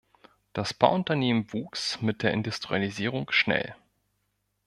Das Bauunternehmen wuchs mit der Industrialisierung schnell.